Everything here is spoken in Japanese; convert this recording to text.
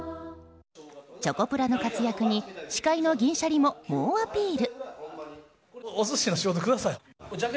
チョコプラの活躍に司会の銀シャリも猛アピール。